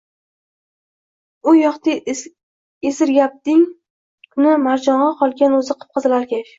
Bu yoqda Esirgapding kuni Marjong‘a qolg‘an, o‘zi qip-qizil alkash